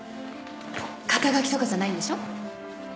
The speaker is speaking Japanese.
肩書とかじゃないんでしょ。